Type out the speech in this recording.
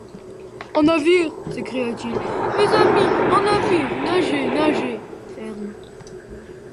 Un navire! s’écria-t-il, mes amis, un navire ! nagez ! nagez ferme !